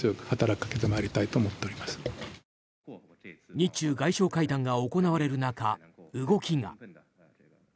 日中外相会談が行われる中動きが。